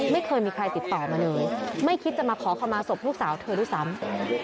ไม่เคยมีใครติดต่อมาเลยไม่คิดจะมาขอขมาศพลูกสาวเธอด้วยซ้ำ